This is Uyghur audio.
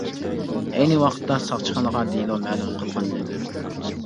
ئەينى ۋاقىتتا ساقچىخانىغا دېلو مەلۇم قىلغانىدىم.